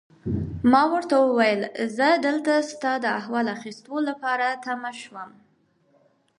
ما ورته وویل: زه دلته ستا د احوال اخیستو لپاره تم شوم.